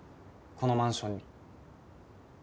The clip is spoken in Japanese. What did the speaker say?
このマンションに。